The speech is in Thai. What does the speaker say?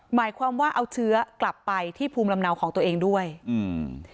หมายความว่าเอาเชื้อกลับไปที่ภูมิลำเนาของตัวเองด้วยอืม